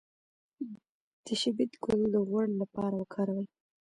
د شبت ګل د غوړ لپاره وکاروئ